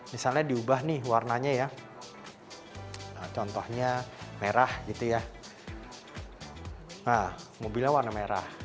misalnya diubah nih warnanya ya contohnya merah gitu ya nah mobilnya warna merah